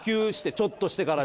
ちょっとしてから。